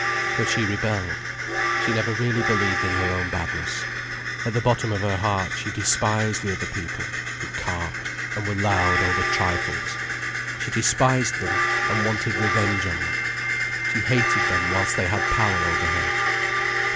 But she rebelled. She never really believed in her own badness. At the bottom of her heart she despised the other people, who carped and were loud over trifles. She despised them, and wanted revenge on them. She hated them whilst they had power over her.